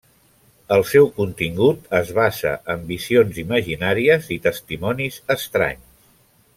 El seu contingut es basa en visions imaginàries i testimonis estranys.